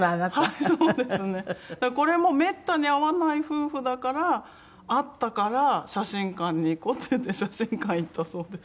はいそうですね。これもめったに会わない夫婦だから会ったから「写真館に行こう」って言って写真館行ったそうです。